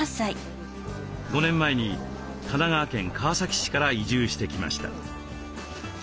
５年前に神奈川県川崎市から移住してきました。